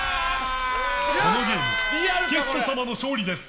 このゲームゲスト様の勝利です。